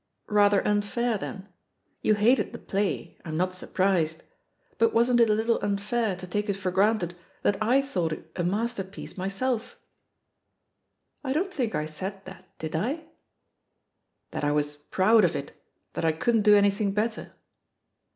"Rather imfair, then. You hated the play — I'm not surprised — ^but wasn't it a little unfair to take it for granted that I thought it a master piece, myself?" "I don't think I said that, did I?" "That I was *proud' of it, that I couldn't do anything better?"